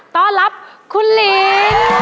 ต้อนรับคุณลิน